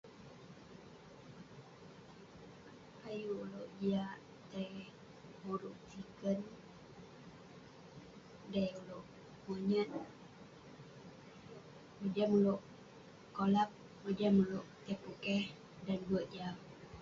Ayuk ulouk jiak tai moruk petiken, dei ulouk monyert. Mojam ulouk kolap, mojam ulouk tai pokeh dan be'ek jau.